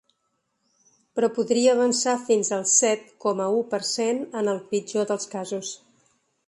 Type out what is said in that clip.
Però podria avançar fins al set coma u per cent en el pitjor dels casos.